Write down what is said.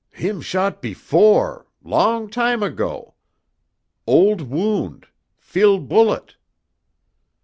"Heem shot before long time ago! Old wound feel bullet!"